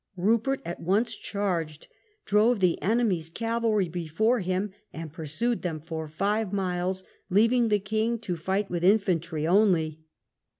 Rupert at once charged, drove the enemy's cavalry before him, and pursued them for five miles, leaving the king to fight with infantry only.